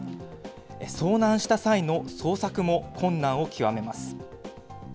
遭難した際の捜索も困難を極めます。